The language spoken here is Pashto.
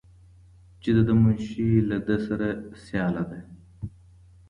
چې د ده منشي له ده سره سیاله ده.